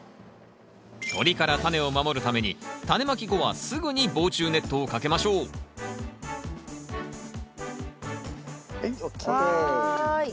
鳥からタネを守るためにタネまき後はすぐに防虫ネットをかけましょうはいＯＫ。